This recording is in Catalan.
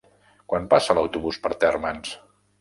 Quan passa l'autobús per Térmens?